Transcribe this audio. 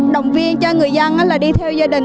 động viên cho người dân là đi theo gia đình